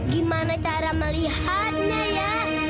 gimana cara melihatnya ya